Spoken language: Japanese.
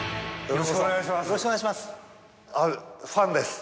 よろしくお願いします。